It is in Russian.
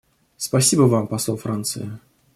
Спасибо Вам, посол Франции.